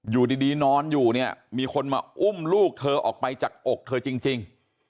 อยู่ดีนอนอยู่เนี่ยมีคนมาอุ้มลูกเธอออกไปจากอกเธอจริง